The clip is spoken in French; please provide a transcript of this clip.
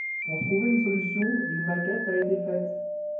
Pour trouver une solution, une maquette a été faite.